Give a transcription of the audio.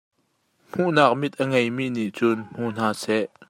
Hmuhnak mit a ngei mi nih cun hmu hna seh.